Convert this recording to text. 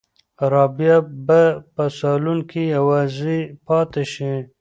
رابعه به په صالون کې یوازې پاتې شي.